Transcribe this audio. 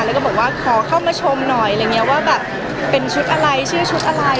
แล้วก็บอกว่าขอเข้ามาชมหน่อยว่าชุดแบบอะไรชื่อชุดอะไร